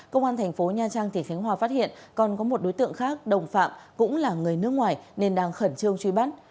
công an thành phố nha trang tỉnh khánh hòa phát hiện còn có một đối tượng khác đồng phạm cũng là người nước ngoài nên đang khẩn trương truy bắt